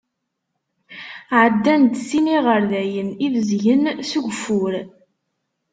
Ɛeddan-d sin iɣerdayen ibezgen s ugeffur.